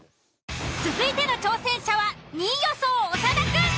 続いての挑戦者は２位予想長田くん。